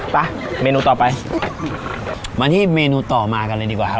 ไปเมนูต่อไปมาที่เมนูต่อมากันเลยดีกว่าครับ